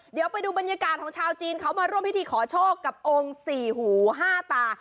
เดี๋ยวไปดูบรรยากาศของชาวจีนเขามาร่วมพิธีขอโชคกับองค์สี่หูห้าตา